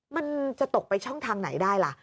มันจะตกไปช่องทางไหนได้ล่ะ